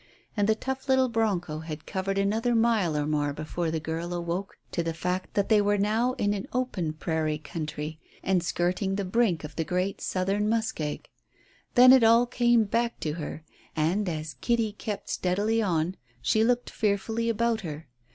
And the tough little broncho had covered another mile or more before the girl awoke to the fact that they were now in an open prairie country, and skirting the brink of the great southern muskeg. Then it all came back to her, and, as Kitty kept steadily on, she looked fearfully about her.